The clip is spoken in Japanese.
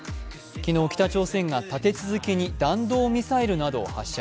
昨日、北朝鮮が立て続けに弾道ミサイルなどを発射。